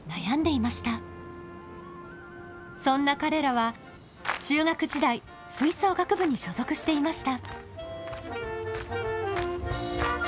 そんな彼らは中学時代吹奏楽部に所属していました。